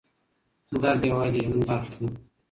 درد یوازې د ژوند برخه ده.